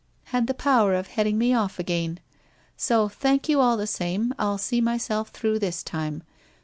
— had the power of heading me off again. So, thank you all the same, I'll see myself through thi time.